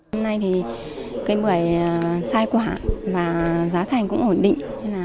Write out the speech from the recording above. hôm nay thì cây bưởi sai quả mà giá thành cũng ổn định